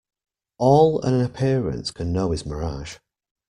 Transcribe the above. All an appearance can know is mirage.